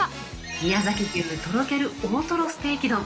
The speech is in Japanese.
宮崎牛とろける大トロステーキ丼。